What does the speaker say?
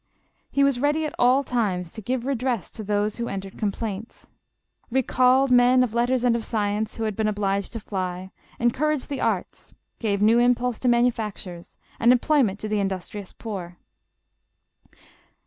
He was ready at all times to give redress to those who entered com plaints ; recalled men of letters and of science, who had been obliged to fly ; encouraged the arts, gave new impulse to manufactures, and employment to the in dustrious poor.